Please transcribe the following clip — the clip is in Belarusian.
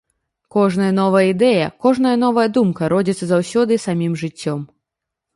Кожная новая ідэя, кожная новая думка родзіцца заўсёды самім жыццём.